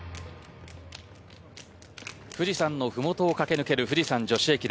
富士山の麓を駆け抜ける富士山女子駅伝。